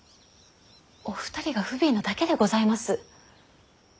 お二人が不憫なだけでございます。